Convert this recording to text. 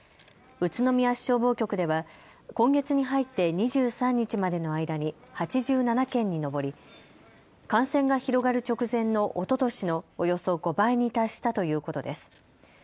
宇都宮市消防局では今月に入って２３日までの間に８７件に上り感染が広がる直前のおととしのおよそ５倍に達したということです。